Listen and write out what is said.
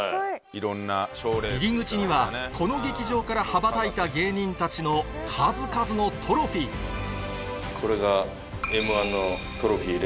入り口にはこの劇場から羽ばたいた芸人たちの数々のトロフィーこれが。